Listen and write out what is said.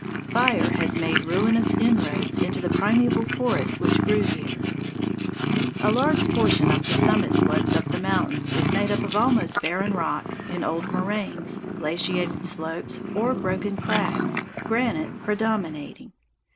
Fire has made ruinous inroads into the primeval forest which grew here. A large portion of the summit slopes of the mountains is made up of almost barren rock, in old moraines, glaciated slopes, or broken crags, granite predominating.